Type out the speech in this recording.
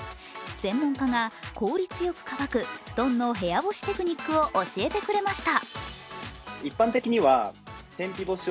専門家が効率よく乾く布団の部屋干しテクニックを教えてくれました。